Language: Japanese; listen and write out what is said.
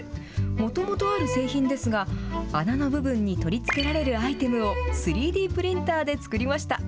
もともとある製品ですが、穴の部分に取り付けられるアイテムを、３Ｄプリンターで作りました。